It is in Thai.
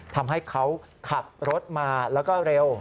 ทำให้เขาขับรถมาแล้วก็เร็ว